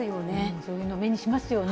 そういうの、目にしますよね。